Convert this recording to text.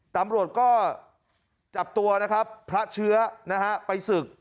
ตำรวจก็จับตัวนะครับพระเชื้อนะฮะไปศึก